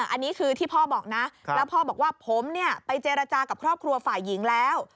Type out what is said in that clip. อันนี้คือที่พ่อบอกนะแล้วพ่อบอกว่าผมเนี่ยไปเจรจากับครอบครัวฝ่ายหญิงแล้ว